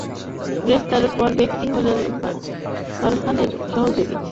গ্রেপ্তার অপর ব্যক্তি হলেন ফারহানের সহযোগী মেলান্দহ পৌর শহরের বাসিন্দা আবদুল মালেক।